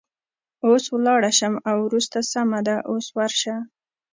اوس ولاړه شم که وروسته؟ سمه ده، اوس ورشه.